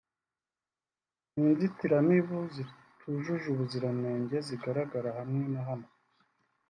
ni inzitiramubu zitujuje ubuziranenge zigaragara hamwe na hamwe